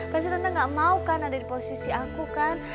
pasti tante gak mau kan ada di posisi aku kan